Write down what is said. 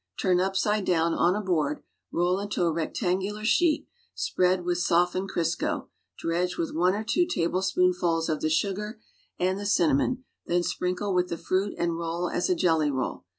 Turn upside down on a board, roll into a rectangular sheet, s|)riaii ^^ith softened Crisco, dredge with one or two tablespooiifuls of (lie sugar and the cinnamon, then s|iriuklc with the fruit and roll as a jelly roll.